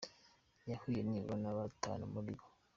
Yahuye nibura na batanu muri bo.